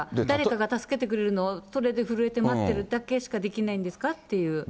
誰かが助けてくれるのを、それで震えて待ってるだけしかできないんですかっていう。